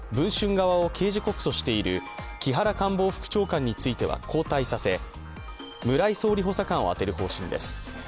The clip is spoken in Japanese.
側を刑事告訴している木原官房副長官については交代させ村井総理補佐官を充てる方針です。